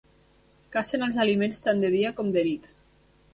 Cacen els aliments tant de dia com de nit.